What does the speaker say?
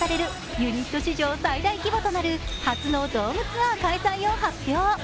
ユニット史上最大規模となる初のドームツアー開催を発表。